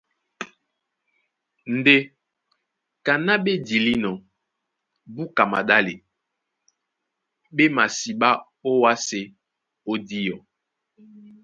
Ndé kaná ɓé dilínɔ̄ búka maɗále, ɓé masiɓá ówásē ó diɔ.